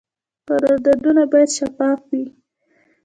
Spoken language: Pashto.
قراردادونه باید شفاف وي